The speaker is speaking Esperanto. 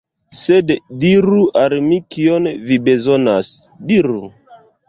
Sed diru al mi kion vi bezonas. Diru!